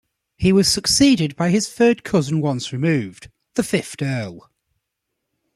He was succeeded by his third cousin once removed, the fifth Earl.